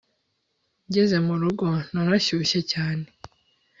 Ngeze mu rugo nararushye cyane